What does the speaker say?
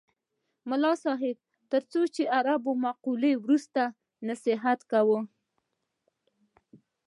ملا صاحب تر څو عربي مقولو وروسته نصیحت کاوه.